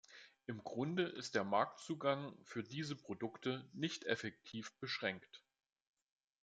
Im Grunde ist der Marktzugang für diese Produkte nicht effektiv beschränkt.